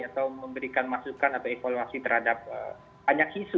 atau memberikan masukan atau evaluasi terhadap banyak isu